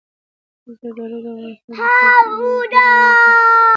زردالو د افغانستان د طبیعي زیرمو یوه برخه ده.